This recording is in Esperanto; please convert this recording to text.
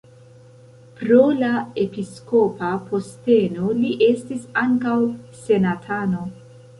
Pro la episkopa posteno li estis ankaŭ senatano.